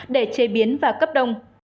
để chế biến và cấp đông